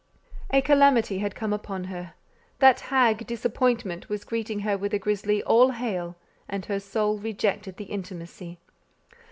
A calamity had come upon her. That hag Disappointment was greeting her with a grisly "All hail," and her soul rejected the intimacy.